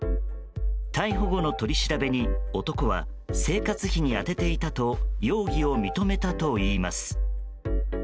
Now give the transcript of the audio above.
逮捕後の取り調べに、男は生活費に充てていたと容疑を認めたといいます。